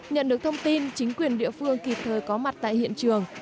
nhận được thông tin chính quyền địa phương kịp thời có mặt tại hiện trường